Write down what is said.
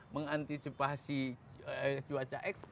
mengantisipasi cuaca x